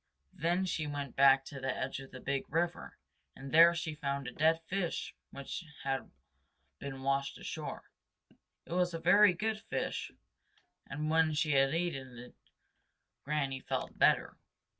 Then she went back to the edge of the Big River and there she found a dead fish which had been washed ashore. It was a very good fish, and when she had eaten it Granny felt better.